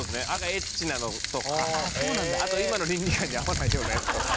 エッチなのとかあと今の倫理観に合わないようなやつとか。